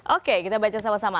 oke kita baca sama sama